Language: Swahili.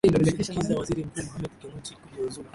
kumshinikiza waziri mkuu mohamed genuchi kujiuzulu